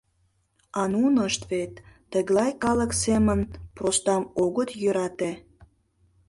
А нунышт вет тыглай калык семын простам огыт йӧрате.